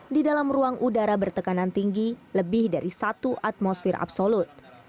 di dalam ruang udara bertekanan tinggi lebih dari satu atmosfer absolut